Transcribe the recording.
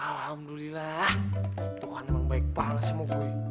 alhamdulillah itu kan emang baik banget semua gue